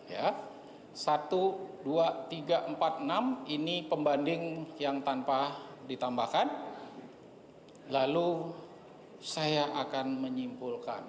ya satu ratus dua puluh tiga ribu empat ratus lima puluh enam ini pembanding yang tanpa ditambahkan lalu saya akan menyimpulkan